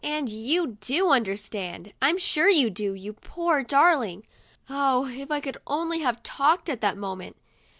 And you do understand ; I'm sure you do, you poor dar ling !' (Oh, if I could only have talked at that moment